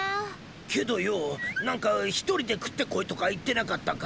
けどよぉ何か一人で食ってこいとか言ってなかったか？